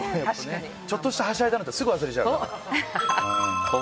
ちょっとしたはしゃいだのなんてすぐ忘れちゃう。